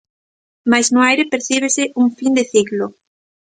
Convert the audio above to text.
Mais no aire percíbese un fin de ciclo.